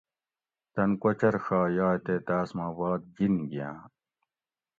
تن کوچر ݭا یائ تے تاٞس ما باد جِن گیاٞں